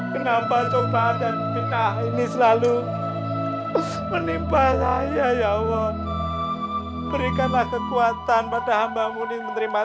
kenapa coba ada sehingga ini selalu menimba saya ya allah berikanlah kekuatan pada hamba mu di menerima